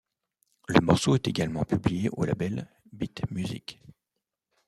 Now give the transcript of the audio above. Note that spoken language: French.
Le morceau est également publié au label Bit Music.